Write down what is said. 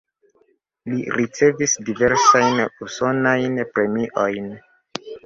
Li ricevis diversajn usonajn premiojn.